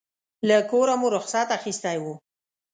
له کوره مو رخصت اخیستی و.